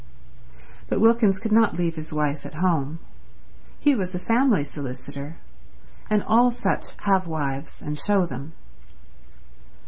But Wilkins could not leave his wife at home. He was a family solicitor, and all such have wives and show them.